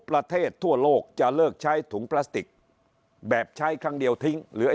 ประเทศทั่วโลกจะเลิกใช้ถุงพลาสติกแบบใช้ครั้งเดียวทิ้งหรือ